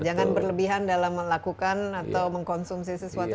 jangan berlebihan dalam melakukan atau mengkonsumsi sesuatu